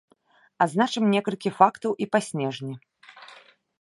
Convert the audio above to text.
Адзначым некалькі фактаў і па снежні.